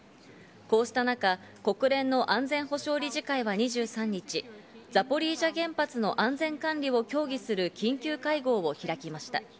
こうした中、国連の安全保障理事会は２３日、ザポリージャ原発の安全管理を協議する緊急会合を開きました。